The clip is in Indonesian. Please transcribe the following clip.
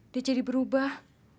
dia jadi berubah